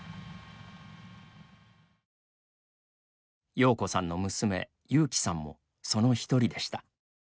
洋子さんの娘友紀さんもその一人でした。